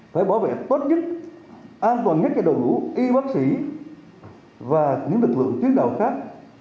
phải bảo vệ tốt nhất an toàn nhất cho đội ngũ y bác sĩ và những lực lượng tuyến đầu khác